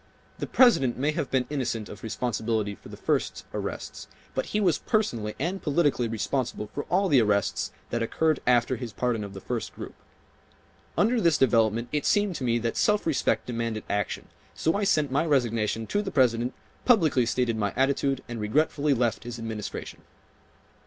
The President may have been innocent of responsibility for the first arrests, but he was personally and politically responsible for all the arrests that occurred after his pardon of the first, group. Under this development it seemed to me that self respect demanded action, so I sent my resignation to the President, publicly stated my attitude and regretfully left his Administration."